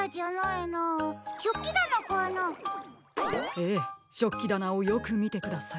ええしょっきだなをよくみてください。